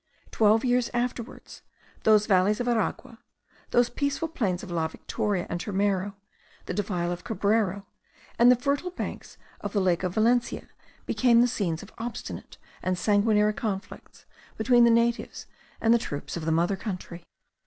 Twelve years afterwards, those valleys of Aragua, those peaceful plains of La Victoria and Turmero, the defile of Cabrera, and the fertile banks of the lake of Valencia, became the scenes of obstinate and sanguinary conflicts between the natives and the troops of the mother country.